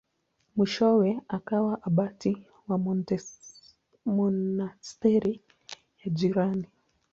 Mwishowe akawa abati wa monasteri ya jirani.